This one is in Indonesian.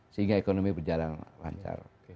sehingga ekonomi berjalan lancar